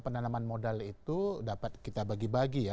penanaman modal itu dapat kita bagi bagi ya